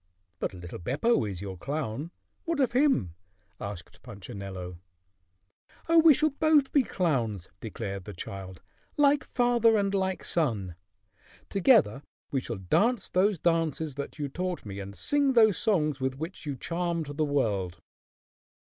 "But little Beppo is your clown. What of him?" asked Punchinello. "Oh, we shall both be clowns!" declared the child, "like father and like son. Together we shall dance those dances that you taught me and sing those songs with which you charmed the world."